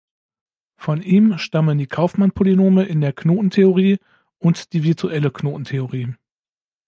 Von ihm stammen die Kauffman-Polynome in der Knotentheorie und die Virtuelle Knotentheorie.